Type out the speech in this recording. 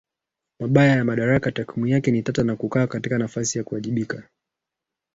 mabaya ya madaraka Takwimu yake ni tata na kukaa katika nafasi ya kuwajibika na